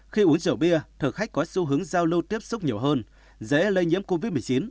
khi uống rượu bia thực khách có xu hướng giao lưu tiếp xúc nhiều hơn dễ lây nhiễm covid một mươi chín